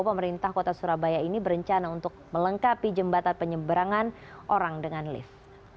pemerintah kota surabaya ini berencana untuk melengkapi jembatan penyeberangan orang dengan lift